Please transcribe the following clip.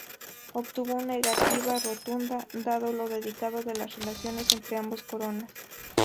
Obtuvo una negativa rotunda, dado lo delicado de las relaciones entre ambas coronas.